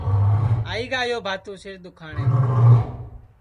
آئی گا یو بھاتو سِر دُؔکھاٹے